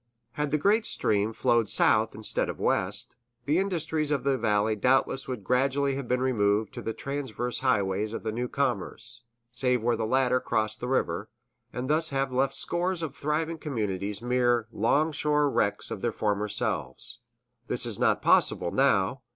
Had the great stream flowed south instead of west, the industries of the valley doubtless would gradually have been removed to the transverse highways of the new commerce, save where these latter crossed the river, and thus have left scores of once thriving communities mere 'longshore wrecks of their former selves. This is not possible, now.